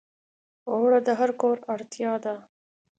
اوړه د هر کور اړتیا ده